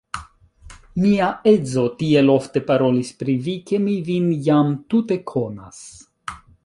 Mia edzo tiel ofte parolis pri vi, ke mi vin jam tute konas.